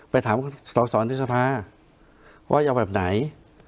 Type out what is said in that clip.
ไปถามสอสอในสภาว่าจะเอาแบบไหน